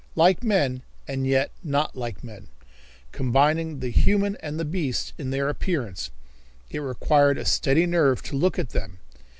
Like men, and yet not like men, combining the human and the beast in their appearance, it required a steady nerve to look at them.